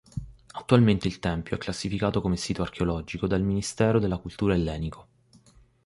Attualmente il tempio è classificato come sito archeologico dal ministero della cultura ellenico.